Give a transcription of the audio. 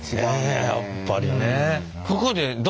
ねえやっぱりね。